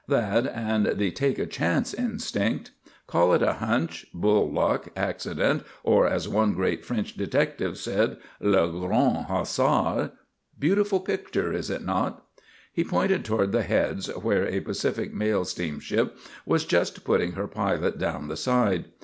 "That and the 'take a chance' instinct. Call it a hunch, bull luck, accident, or as one great French detective said, 'le grand hasard.' Beautiful picture, is it not?" He pointed toward the Heads, where a Pacific Mail steamship was just putting her pilot down the side.